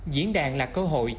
diễn đàn là cơ hội